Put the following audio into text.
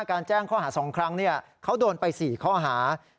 แจ้งข้อหา๒ครั้งเขาโดนไป๔ข้อหา